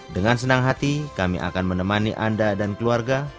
dengan senang hati kami akan menemani anda dan keluarga